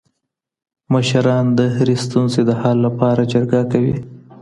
مشران د هرې ستونزې د حل لپاره جرګه کوي.